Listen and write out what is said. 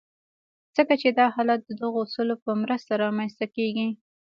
ځکه چې دا حالت د دغو اصولو په مرسته رامنځته کېږي.